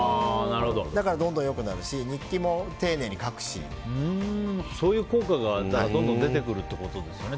だから、どんどん良くなるしそういう効果がどんどん出てくるってことですね。